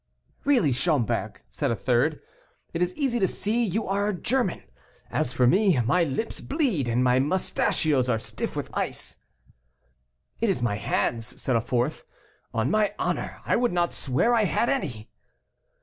"Really, Schomberg," said a third, "it is easy to see you are German. As for me, my lips bleed, and my mustachios are stiff with ice." "It is my hands," said a fourth; "on my honor, I would not swear I had any."